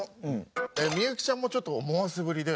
幸ちゃんもちょっと思わせぶりで。